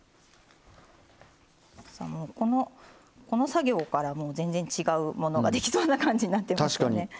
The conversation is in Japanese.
この作業からもう全然違うものができそうな感じになってますよね。